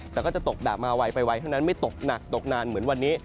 แต่ก็จะตกแบบมาไวไปไวเท่านั้นไม่ตกหนักตกนานเหมือนวันนี้